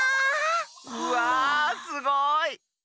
うわすごい！